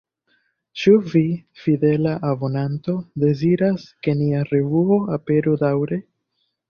Ĉu vi, fidela abonanto, deziras, ke nia revuo aperu daŭre?